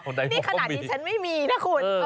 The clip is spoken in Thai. นี่ขนาดนี้ฉันไม่มีนะคุณ